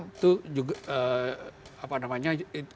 itu juga apa namanya